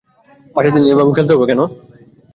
বাচ্চাদের নিয়ে এভাবে খেলতে হবে কেন?